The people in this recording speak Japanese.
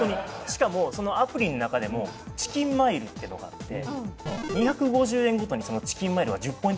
しかもそのアプリの中でもチキンマイルっていうのがあって２５０円ごとにそのチキンマイルが１０ポイントずつたまるんですよ。